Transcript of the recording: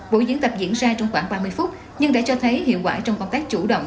buổi diễn tập diễn ra trong khoảng ba mươi phút nhưng đã cho thấy hiệu quả trong công tác chủ động